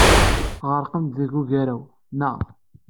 Tɣerqemt deg ugaraw, naɣ?